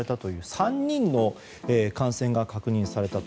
３人の感染が確認されたと。